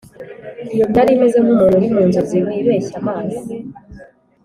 Nari meze nk'umuntu uri mu nzozi wibeshye amazi